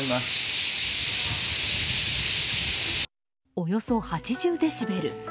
およそ８０デシベル。